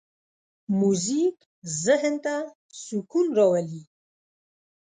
موزیک ذهن ته سکون راولي.